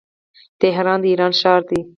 تهران د ايران ښار دی.